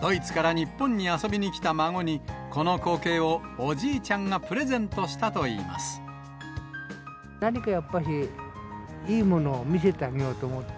ドイツから日本に遊びに来た孫に、この光景をおじいちゃんがプレゼ何かやっぱり、いいものを見せてあげようと思って。